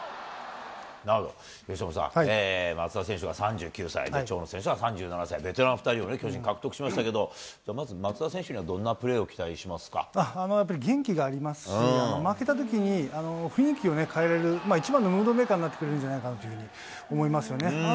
なるほど、由伸さん、松田選手が３９歳、長野選手が３７歳、ベテラン２人を巨人、獲得しましたけど、まず松田選手にはどんなプレーをやっぱり元気がありますし、負けたときに雰囲気を変えられる、一番のムードメーカーになってくれるんじゃないかなと思いますよね。